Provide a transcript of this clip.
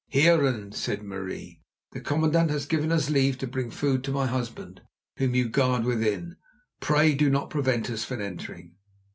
"Heeren," said Marie, "the commandant has given us leave to bring food to my husband, whom you guard within. Pray do not prevent us from entering."